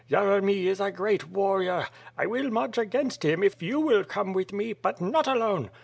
Yeremy is a great warrior. I will march against him, if you will come with me, but not alone.